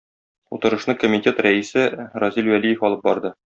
Утырышны комитет рәисе Разил Вәлиев алып барды.